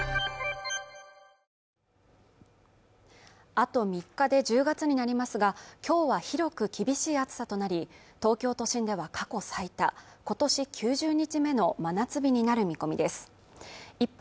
あと３日で１０月になりますがきょうは広く厳しい暑さとなり東京都心では過去最多今年９０日目の真夏日になる見込みです一方